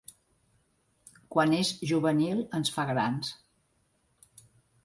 Quan és juvenil ens fa grans.